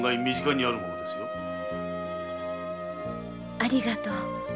ありがとう。